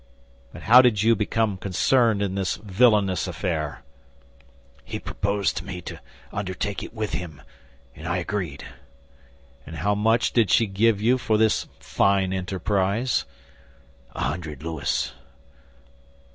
"But how did you become concerned in this villainous affair?" "He proposed to me to undertake it with him, and I agreed." "And how much did she give you for this fine enterprise?" "A hundred louis."